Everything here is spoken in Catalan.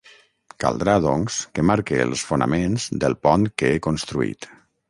Caldrà, doncs, que marque els fonaments del pont que he construït.